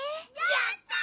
やった！